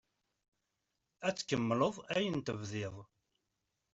Ad tkemmleḍ ayen tebdiḍ.